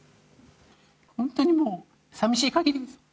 本当にもう、さみしいかぎりです。